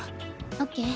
オッケー。